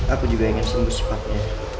aku juga ingin sembuh cepat ya